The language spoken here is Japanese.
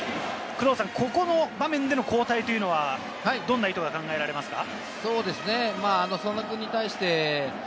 ここの場面での交代というのは、どんな意図が考えられますか？